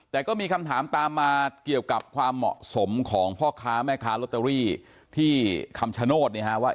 แต่ก็มีคำถามตามมาเกี่ยวกับความเหมาะสมของพ่อค้าแม่ค้าลอตเตอรี่ที่คำชโนธเนี่ยฮะว่า